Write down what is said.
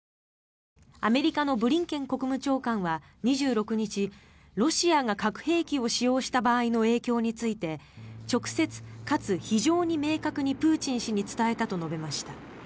アメリカのブリンケン国務長官は２６日ロシアが核兵器を使用した場合の影響について直接かつ非常に明確にプーチン氏に伝えたと述べました。